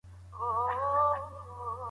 ایا لوی صادروونکي بادام پروسس کوي؟